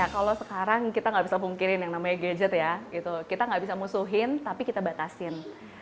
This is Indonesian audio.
kalau sekarang kita nggak bisa pungkirin yang namanya gadget ya kita nggak bisa musuhin tapi kita batasin